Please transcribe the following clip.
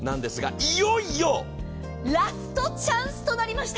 いよいよラストチャンスとなりました。